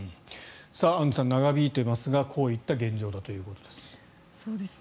さあ、アンジュさん長引いていますがこういった現状だということです。